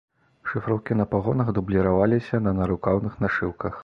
Шыфроўкі на пагонах дубліраваліся на нарукаўных нашыўках.